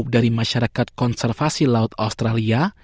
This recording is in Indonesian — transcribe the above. dari masyarakat konservasi laut australia